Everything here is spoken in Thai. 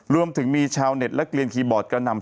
รวมถึงมีชาวเน็ตและเกลียนคีย์บอร์ดก็นำ